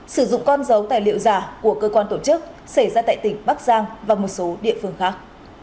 sử dụng con dấu tài liệu giả của cơ quan tổ chức xảy ra tại tỉnh bắc giang và một số địa phương khác